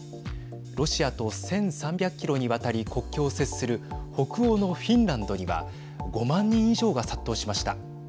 ロシアと１３００キロにわたり国境を接する北欧のフィンランドには５万人以上が殺到しました。